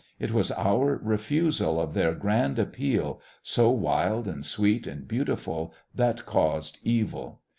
It was our refusal of their grand appeal, so wild and sweet and beautiful, that caused "evil."